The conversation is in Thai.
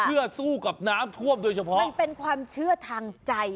เพื่อสู้กับน้ำท่วมโดยเฉพาะมันเป็นความเชื่อทางใจ